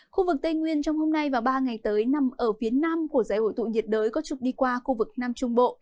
khu vực tây nguyên trong hôm nay và ba ngày tới nằm ở phía nam của giải hội tụ nhiệt đới có trục đi qua khu vực nam trung bộ